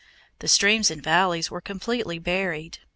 The streams and valleys were completely buried.